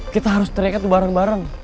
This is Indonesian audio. kita harus teriaknya tuh bareng bareng